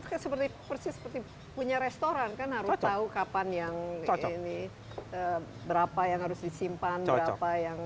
kan seperti persis seperti punya restoran kan harus tahu kapan yang ini berapa yang harus disimpan berapa yang